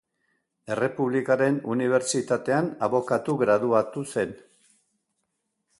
Errepublikaren Unibertsitatean abokatu graduatu zen.